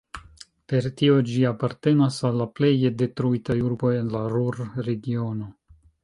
Per tio ĝi apartenas al la pleje detruitaj urboj en la Ruhr-Regiono.